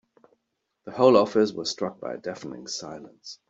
The whole office was struck by a deafening silence.